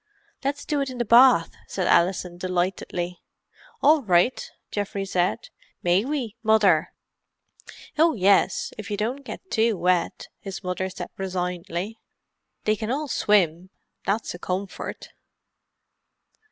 "Let's do it in the bath," said Alison, delightedly. "All right," Geoffrey said. "May we, Mother?" "Oh, yes, if you don't get too wet," his mother said resignedly. "They can all swim, that's a comfort.